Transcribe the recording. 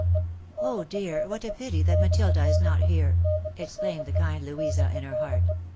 " Oh, dear ! what a pity that Matilda is not here !" exclaimed the kind Louisa in her heart.